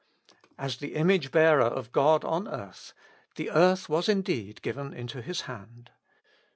As the image bearer of God on earth, the earth was indeed given into his hand.